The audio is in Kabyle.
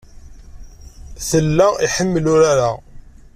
Tella iḥemmel urar-a.